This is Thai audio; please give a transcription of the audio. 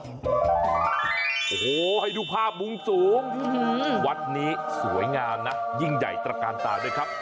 โอ้โหให้ดูภาพมุมสูงวัดนี้สวยงามนะยิ่งใหญ่ตระกาลตาด้วยครับ